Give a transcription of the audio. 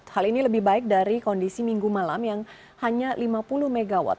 hal ini lebih baik dari kondisi minggu malam yang hanya lima puluh mw